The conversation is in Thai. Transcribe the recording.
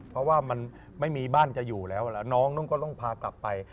เพราะว่ามันไม่มีบ้านจะอยู่แล้วแล้วน้องนู้นก็ต้องพากลับไป